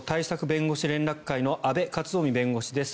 弁護士連絡会の阿部克臣弁護士です。